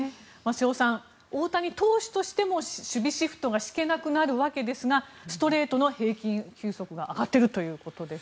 瀬尾さん大谷投手としても守備シフトが敷けなくなるわけですがストレートの平均球速が上がっているということです。